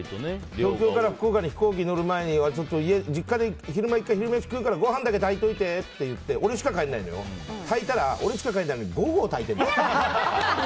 東京から福岡に飛行機に行く時に実家で飯食うからご飯だけ炊いておいてって言っておいて俺しか帰らないのに俺しか食べないのに５合炊いてるの。